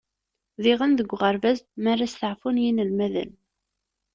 Diɣen deg ubaraz, mi ara steɛfun yinelmaden.